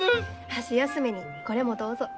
箸休めにこれもどうぞ。